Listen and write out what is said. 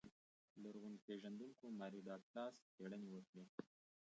لرغون پېژندونکو ماري ډاګلاس څېړنې وکړې.